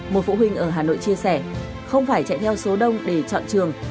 một phụ huynh ở hà nội chia sẻ không phải chạy theo số đông để chọn trường